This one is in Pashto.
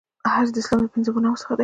حج د اسلام د پنځو بناوو څخه دی.